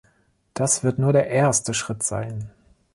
Das wird nur der erste Schritt sein.